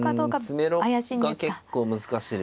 詰めろが結構難しいですね。